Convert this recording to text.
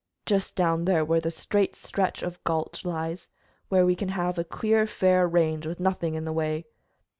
"Just down there where the straight stretch of gulch lies, where we can have a clear and fair range, with nothing in the way."